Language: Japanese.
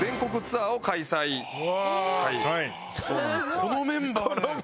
このメンバーで。